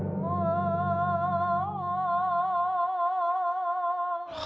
aduh yuk ah